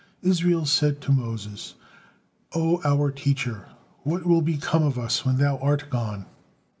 '" Israel said to Moses: "O our teacher, what will become of us when thou art gone?"